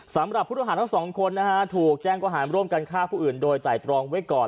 สำหรับผู้ต้องหาทั้งสองคนนะฮะถูกแจ้งก็หารร่วมกันฆ่าผู้อื่นโดยไตรตรองไว้ก่อน